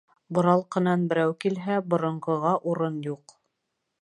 Боралҡынан берәү килһә, боронғоға урын юҡ.